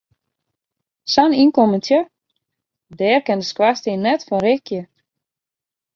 Sa'n ynkommentsje, dêr kin de skoarstien net fan rikje.